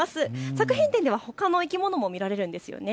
作品展ではほかの生き物も見られるんですよね。